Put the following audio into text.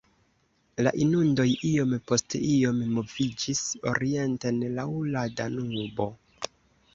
La inundoj iom post iom moviĝis orienten laŭ la Danubo.